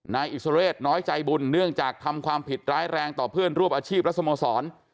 นายอิสระเรศน้อยใจบุญเนื่องจากทำความผิดร้ายแรงต่อเพื่อนร่วมอาชีพและสโมสร